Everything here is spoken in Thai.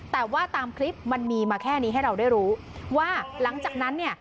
แต่ว่าตามคลิปมันมีมาแค่นี้ให้เราได้รู้ว่าหลังจากนั้นเนี่ย